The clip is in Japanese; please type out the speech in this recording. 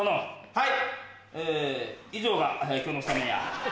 はい！